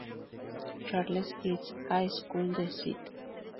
Charles East High School de St.